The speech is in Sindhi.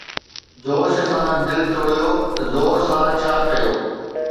جوش سان دل ٽوڙيو، زور سان! ڇا ڪيو